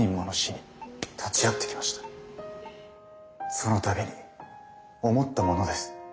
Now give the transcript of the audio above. そのたびに思ったものです。